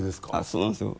そうなんですよ。